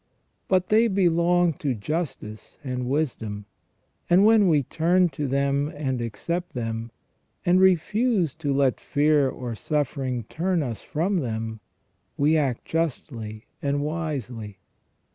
But they belong to justice and wisdom, and when we turn to them and accept them, and refuse to let fear or suffering turn us from them, we act justly and wisely.